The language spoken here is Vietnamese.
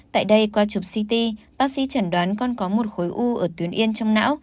tại đây qua chụp ct bác sĩ chẩn đoán con có một khối u ở tuyến yên trong não